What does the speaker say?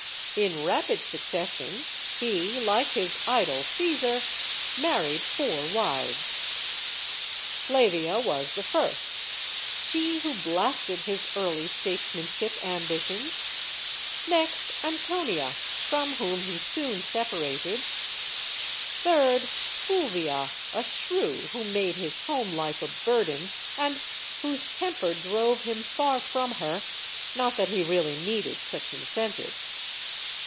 In rapid succession he like his idol, Caesar married four wives. Flavia was the first she who blasted his early states manship ambitions; next Antonia, from whom he soon separated; third, Fulvia, a shrew who made his home life a burden, and whose temper drove him far from her not that he really needed such incentive.